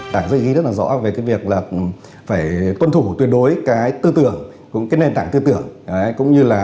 đảng dự ý rất rõ về việc phải tuân thủ tuyệt đối tư tưởng nền tảng tư tưởng